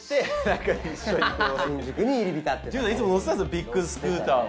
ビッグスクーターを。